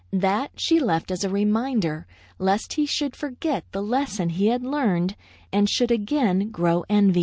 That she left as a reminder lest he should forget the lesson he had learned and should again grow envious.